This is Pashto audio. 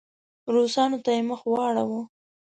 روسانو ته یې مخ واړاوه.